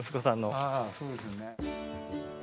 ああそうですね。